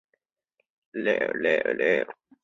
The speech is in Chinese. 薄荷醇等多种成分有明显的利胆作用。